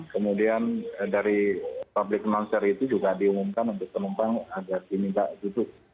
kemudian dari public announcer itu juga diumumkan untuk penumpang agar ini tidak tutup